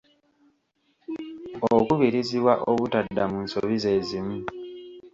Okubirizibwa obutadda mu nsobi zeezimu.